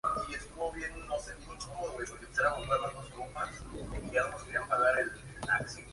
Esto permite al modelador capturar explícitamente la fiabilidad del modelo.